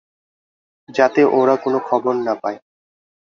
যাতে ওরা কোনো খবর না পায়।